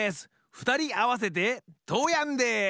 ふたりあわせてトーヤンです！